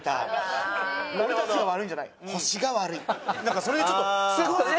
なんかそれでちょっと。